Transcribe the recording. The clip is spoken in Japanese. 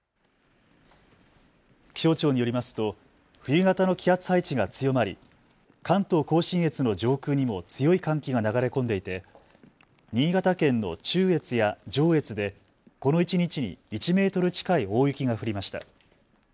気象庁によりますと冬型の気圧配置が強まり関東甲信越の上空にも強い寒気が流れ込んでいて、新潟県の中越や上越でこの一日に１メートル近い大雪が降りました。